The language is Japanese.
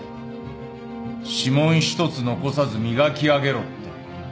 「指紋一つ残さず磨き上げろ」って。